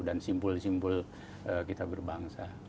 dan simpul simpul kita berbangsa